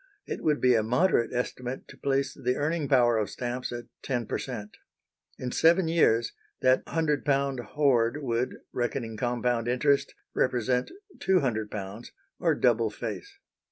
It would be a moderate estimate to place the earning power of stamps at 10 per cent. In seven years that £100 hoard would, reckoning compound interest, represent £200, or double face.